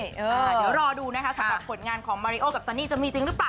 เดี๋ยวรอดูนะคะสำหรับผลงานของมาริโอกับซันนี่จะมีจริงหรือเปล่า